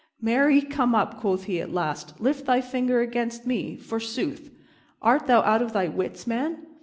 "Marry, come up," quoth he at last. "Lift thy finger against me, forsooth! Art thou out of thy wits, man?